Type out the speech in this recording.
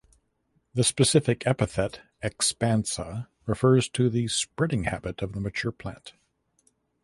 The specific epithet ("expansa") refers to the spreading habit of the mature plant.